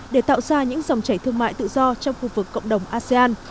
để tạo ra những dòng chảy thương mại tự do trong khu vực cộng đồng asean